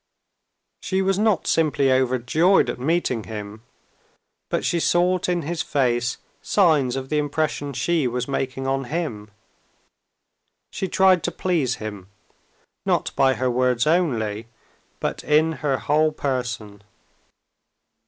She was not simply overjoyed at meeting him, but she sought in his face signs of the impression she was making on him. She tried to please him, not by her words only, but in her whole person.